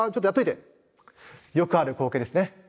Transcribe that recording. よくある光景ですね。